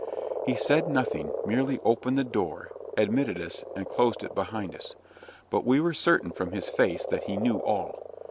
He said nothing; merely opened the door, admitted us, and closed it behind us. But we were certain, from his face, that he knew all.